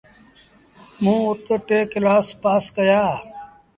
موݩ اُت ٽي ڪلآس پآس ڪيآ۔